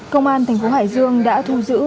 công an thành phố hải dương đã thu giữ